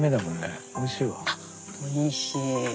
あおいしい！